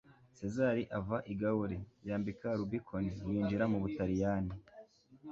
sezari ava i gauli, yambuka rubicon, yinjira mu butaliyani